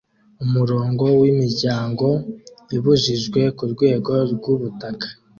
umurongo wimiryango ibujijwe kurwego rwubutaka